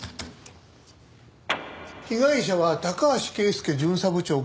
被害者は高橋啓介巡査部長５５歳。